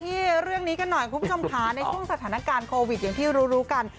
ที่เรื่องนี้กันหน่อยคุณผู้ชมค่ะในช่วงสถานการณ์โควิดอย่างที่รู้รู้กัน